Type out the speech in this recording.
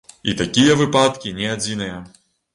І такія выпадкі не адзіныя!